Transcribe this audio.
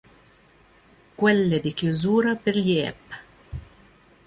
Quelle di chiusura, per gli ep.